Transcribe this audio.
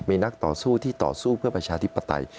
มีนักต่อสู้ที่ต่อสู้เพื่อประชาธิปไตย